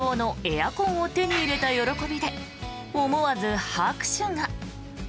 待望のエアコンを手に入れた喜びで思わず拍手が。